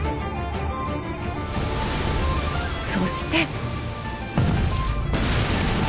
そして。